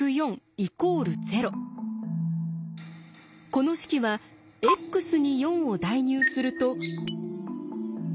この式はＸに４を代入すると。